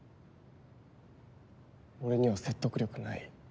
俺には説得力ない。